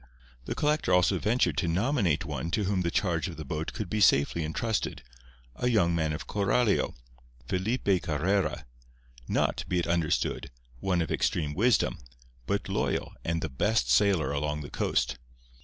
The collector also ventured to nominate one to whom the charge of the boat could be safely intrusted—a young man of Coralio, Felipe Carrera—not, be it understood, one of extreme wisdom, but loyal and the best sailor along the coast.